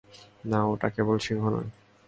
না, ওটা কেবল সিংহ নয়।